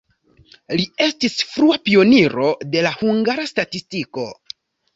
Li estis frua pioniro de la hungara statistiko.